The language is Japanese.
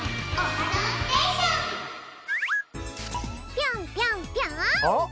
ぴょんぴょんぴょん！